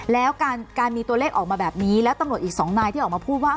แล้วการมีตัวเลขออกมาแบบนี้แล้วตำรวจอีกสองนายที่ออกมาพูดว่า